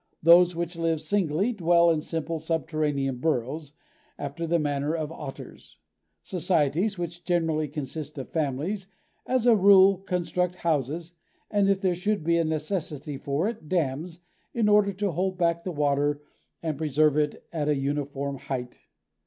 Those which live singly dwell in simple subterranean burrows, after the manner of otters; societies, which generally consist of families, as a rule construct houses and, if there should be a necessity for it, dams, in order to hold back the water and preserve it at a uniform height.